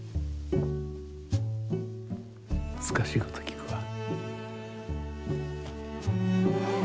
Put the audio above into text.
むずかしいこときくわ。